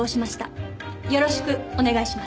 よろしくお願いします。